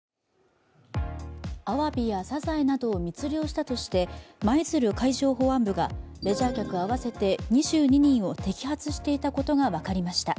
アワビやサザエなどを密漁したとして舞鶴海上保安部がレジャー客合わせて２２人を摘発していたことが分かりました。